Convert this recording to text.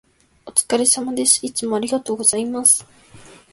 お疲れ様です。いつもありがとうございます。